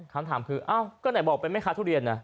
คำถามคืออ้าวก็ไหนบอกเป็นแม่ค้าทุเรียนนะ